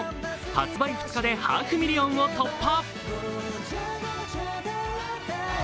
発売２日でハーフミリオンを突破。